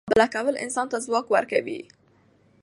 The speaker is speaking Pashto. مقابله کول انسان ته ځواک ورکوي.